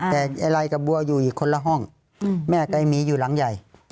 แต่ไอ้ไรกับบัวอยู่อีกคนละห้องอืมแม่กับไอ้หมีอยู่หลังใหญ่อ่า